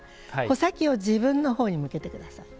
穂先を自分のほうに向けて下さい。